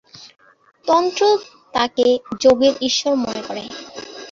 তন্ত্র তাঁকে "যোগের ঈশ্বর" মনে করে।